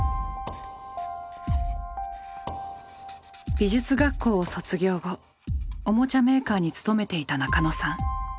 美術学校を卒業後おもちゃメーカーに勤めていた中野さん。